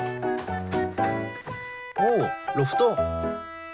おおロフト。